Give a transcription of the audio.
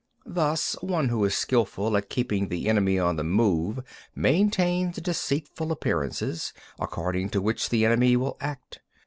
19. Thus one who is skilful at keeping the enemy on the move maintains deceitful appearances, according to which the enemy will act.